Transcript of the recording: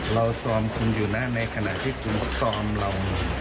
ซอมคุณอยู่นะในขณะที่คุณเขาซ้อมเรา